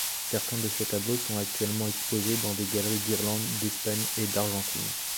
Certains de ses tableaux sont actuellement exposés dans des galeries d’Irlande, d’Espagne et d’Argentine.